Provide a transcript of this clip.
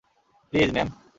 Please, ma'am.